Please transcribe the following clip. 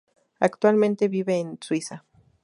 Actualmente vive en Suiza.